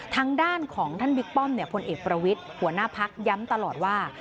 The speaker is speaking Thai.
ทางด้านของท่านบิ๊กป้อมพลเอกประวิทย์หัวหน้าพักย้ำตลอดว่า